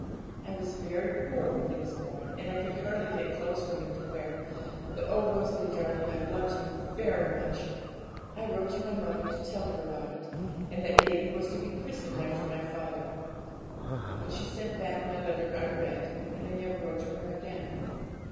I was very, very poor when he was born, and I could hardly get clothes for him to wear, but oh, Rosalie darling, I loved him very much! I wrote to my mother to tell her about it, and that baby was to be christened after my father; but she sent back my letter unread, and I never wrote to her again.